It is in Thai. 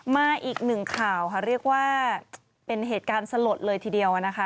มาอีกหนึ่งข่าวค่ะเรียกว่าเป็นเหตุการณ์สลดเลยทีเดียวนะคะ